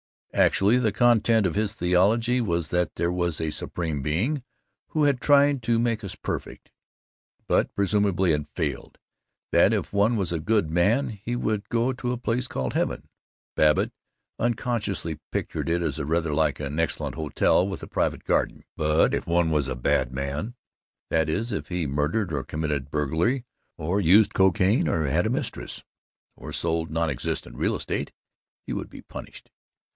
Actually, the content of his theology was that there was a supreme being who had tried to make us perfect, but presumably had failed; that if one was a Good Man he would go to a place called Heaven (Babbitt unconsciously pictured it as rather like an excellent hotel with a private garden), but if one was a Bad Man, that is, if he murdered or committed burglary or used cocaine or had mistresses or sold non existent real estate, he would be punished.